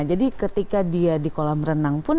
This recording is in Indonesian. jadi ketika dia di kolam renang pun